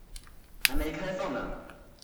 還沒開放呢